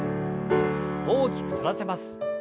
大きく反らせます。